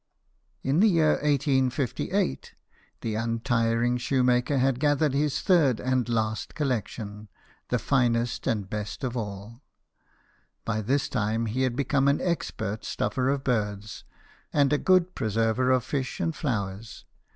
In the year 1858 the untiring shoemaker had gathered his third and last collection, the finest and best of all. By this time he had become an expert stuffer of birds, and a good preserver of iish and flowers.